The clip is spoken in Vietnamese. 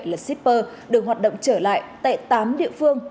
là shipper được hoạt động trở lại tại tám địa phương